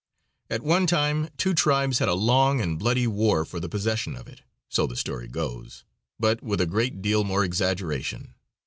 At one time two tribes had a long and bloody war for the possession of it, so the story goes, but with a great deal more exaggeration.